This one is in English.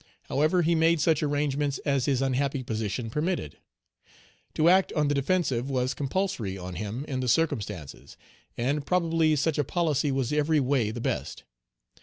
However, he made such arrangements as his unhappy position permitted. To act on the defensive was compulsory on him in the circumstances, and probably such a policy was every way the best.